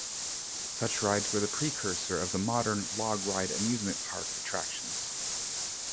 Such rides were the precursor of the modern log-ride amusement park attractions.